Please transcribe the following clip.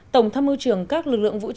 tổng thăm mưu trường các lực lượng vô tình